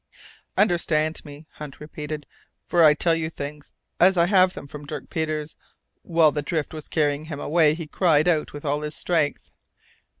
"Understand me," Hunt repeated, "for I tell you things as I have them from Dirk Peters. While the drift was carrying him away, he cried out with all his strength.